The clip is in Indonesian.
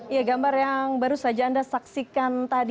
ya gambar yang baru saja anda saksikan tadi